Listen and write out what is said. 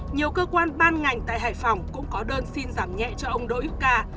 nhiều cơ quan ban ngành tại hải phòng cũng có đơn xin giảm nhẹ cho ông đỗ hữu ca